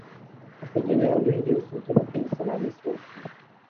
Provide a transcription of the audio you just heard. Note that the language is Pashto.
د دنیا لوی لوی سلطنتونه سلامي شول.